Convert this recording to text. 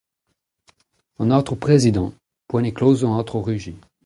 An Aotrou Prezidant : Poent eo klozañ, Aotrou Rugy !